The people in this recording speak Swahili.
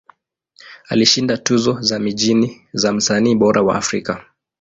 Alishinda tuzo za mijini za Msanii Bora wa Afrika.